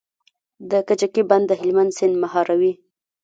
د کجکي بند د هلمند سیند مهاروي